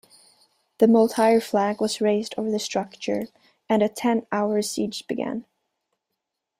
The Moultrie flag was raised over the structure, and a ten-hour siege began.